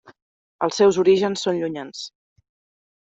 Els seus orígens són llunyans.